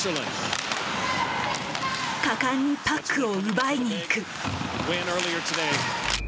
果敢にパックを奪いに行く。